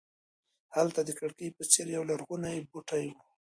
هلته د کړکۍ په څېر یولرغونی بوټی و.